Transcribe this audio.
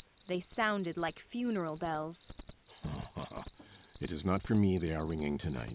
They sounded like funeral bells.